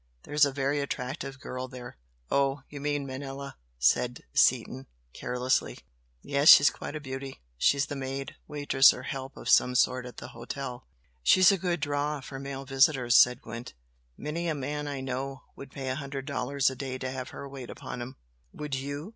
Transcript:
There's a very attractive girl there." "Oh, you mean Manella" said Seaton, carelessly; "Yes, she's quite a beauty. She's the maid, waitress or 'help' of some sort at the hotel." "She's a good 'draw' for male visitors" said Gwent "Many a man I know would pay a hundred dollars a day to have her wait upon him!" "Would YOU?"